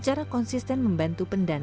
jika anda mengurangkan